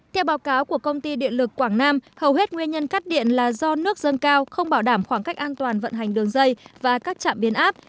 theo báo cáo của công ty điện lực quảng nam hầu hết nguyên nhân cắt điện là do nước dâng cao không bảo đảm khoảng cách an toàn vận hành đường dây và các trạm biến áp